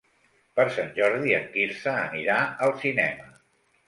Per Sant Jordi en Quirze anirà al cinema.